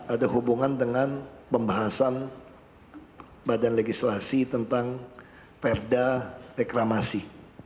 ada hubungan dengan pembahasan badan legislasi tentang perda reklamasi